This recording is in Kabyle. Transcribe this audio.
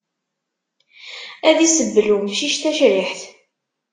Ad isebbel umcic tacriḥt.